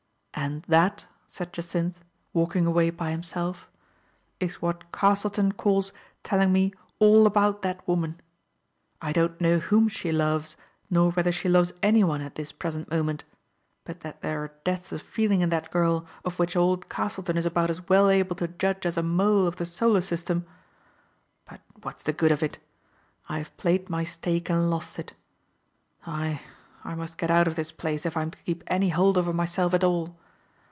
"And that," said Jacynth, walking away by himself, " is what Castleton calls telling me * all about that woman !' I don't know whom she loves, nor whether she loves anyone at this pres ent moment. But that there are depths of feel ing in that girl of which old Castleton is about as well able to judge as a mole of the solar system — but what's the good of it ! I have played my stake and lost it. I — I must get out of this place if I'm to keep any hold over myself at all.